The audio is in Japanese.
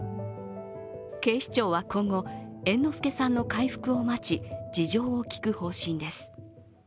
警視庁は今後、猿之助さんの回復を待ち、事情を聴く方針です。